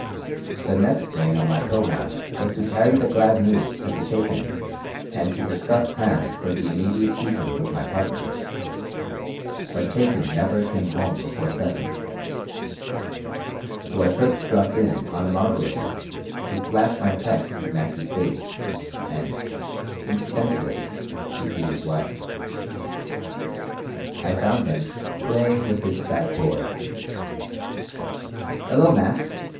The next thing on my program was to carry the glad news to the Chaikins and to discuss plans for the immediate future with my partner. But Chaikin never came home before 7. So I first dropped in on the Margolises to flash my check in Max's face and, incidentally, to see his wife I found him playing with his fat boy "Hello, Max!